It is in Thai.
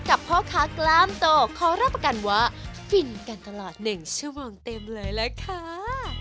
พ่อค้ากล้ามโตขอรับประกันว่าฟินกันตลอด๑ชั่วโมงเต็มเลยล่ะค่ะ